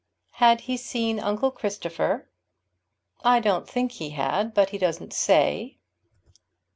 "Had he seen uncle Christopher?" "I don't think he had; but he doesn't say.